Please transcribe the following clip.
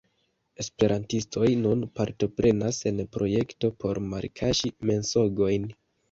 Esperantistoj nun partoprenas en projekto por malkaŝi mensogojn.